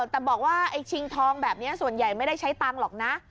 แต่บอกว่าไอ้ชิงทองแบบนี้ส่วนใหญ่ไม่ได้ใช้ตังค์หรอกนะ